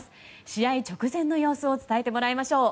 試合直前の様子を伝えてもらいましょう。